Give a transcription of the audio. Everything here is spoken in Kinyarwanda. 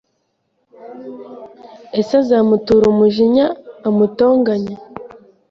Ese azamutura umujinya, amutonganye